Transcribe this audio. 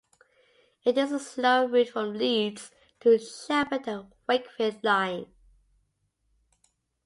It is a slower route from Leeds to Sheffield than the Wakefield line.